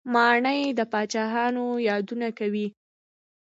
ماڼۍ د پاچاهانو یادونه کوي.